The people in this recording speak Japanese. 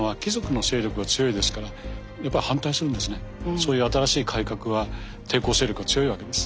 そういう新しい改革は抵抗勢力が強いわけです。